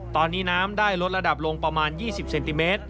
ตอนนี้น้ำได้ลดระดับลงประมาณ๒๐เซนติเมตร